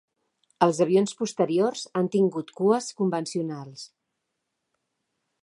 Els avions posteriors han tingut cues convencionals.